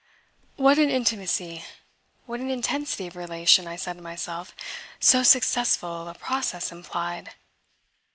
What an intimacy, what an intensity of relation, I said to myself, so successful a process implied!